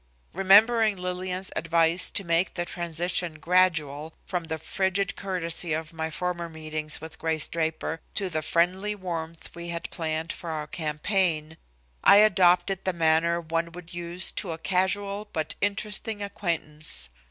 Remembering Lillian's advice to make the transition gradual from the frigid courtesy of my former meetings with Grace Draper to the friendly warmth we had planned for our campaign, I adopted the manner one would use to a casual but interesting acquaintance.